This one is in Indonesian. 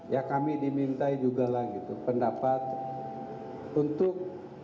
ya kami dimintai juga lah gitu pendapat untuk